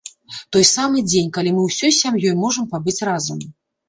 Той самы дзень, калі мы ўсёй сям'ёй можам пабыць разам.